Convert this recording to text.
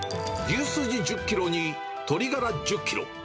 牛筋１０キロに鶏ガラ１０キロ。